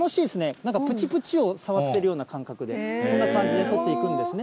なんかぷちぷちを触っているような感覚で、こんな感じで取っていくんですね。